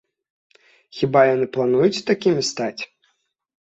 Хіба яны плануюць такімі стаць?